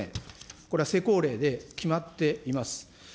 これは施行令で決まっています。